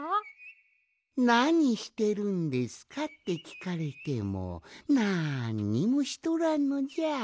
「なにしてるんですか？」ってきかれてもなんにもしとらんのじゃ。